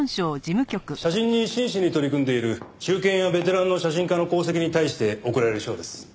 写真に真摯に取り組んでいる中堅やベテランの写真家の功績に対して贈られる賞です。